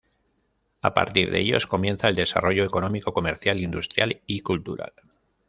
A partir de ellos, comienza el desarrollo económico, comercial, industrial y cultural.